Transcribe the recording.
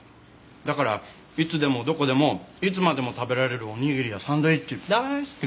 だからいつでもどこでもいつまでも食べられるおにぎりやサンドイッチ大好き！